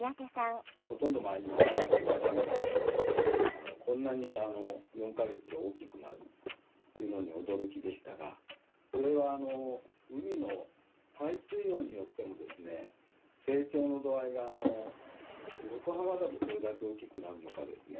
ほとんど毎日食べてるワカメがこんなに４か月で大きくなるというのに驚きでしたがこれは海の海水温によっても成長の度合いが横浜だとこれだけ大きくなるのかですね